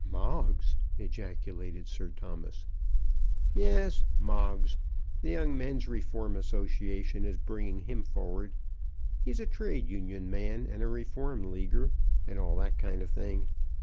"Moggs!" ejaculated Sir Thomas. "Yes; Moggs. The Young Men's Reform Association is bringing him forward. He's a Trades' Union man, and a Reform Leaguer, and all that kind of thing.